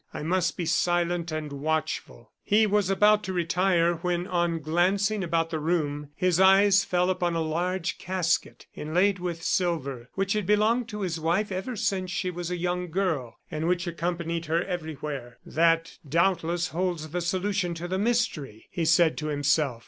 I must be silent and watchful." He was about to retire, when, on glancing about the room, his eyes fell upon a large casket, inlaid with silver, which had belonged to his wife ever since she was a young girl, and which accompanied her everywhere. "That, doubtless, holds the solution of the mystery," he said to himself.